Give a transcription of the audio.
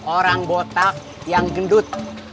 orang botak yang gendut